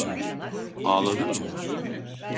Ağladın mı?